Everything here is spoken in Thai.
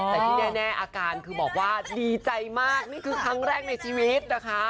แต่ที่แน่อาการคือบอกว่าดีใจมากนี่คือครั้งแรกในชีวิตนะคะ